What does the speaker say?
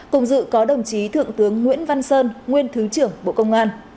cùng dự có đồng chí thượng tướng nguyễn văn sơn nguyên thứ trưởng bộ công an